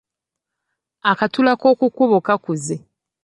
Akatula k’oku kkubo kakuze.